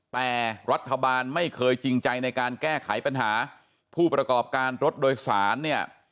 แต่รัฐบาลไม่เคยจริงใจในการแก้ไขปัญหาผู้ประกอบการรถโดยสารเนี่ย